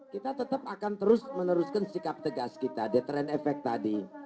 kita tetap akan terus meneruskan sikap tegas kita di tren efek tadi